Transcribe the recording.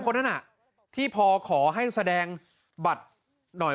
คนนั้นน่ะที่พอขอให้แสดงบัตรหน่อย